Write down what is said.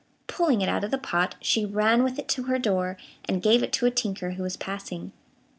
Pulling it out of the pot, she ran with it to her door, and gave it to a tinker who was passing.